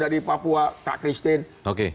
dari papua kak christine